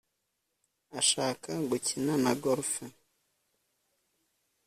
ashaka gukina na golf